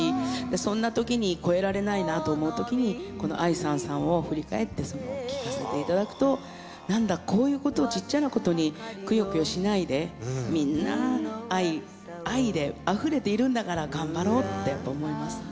そんなときに越えられないなと思うときにこの『愛燦燦』を振り返ってその聴かせていただくとなんだこういうことちっちゃなことにクヨクヨしないでみんな愛愛であふれているんだから頑張ろうって思いますね。